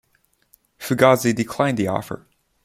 Fugazi declined the offer.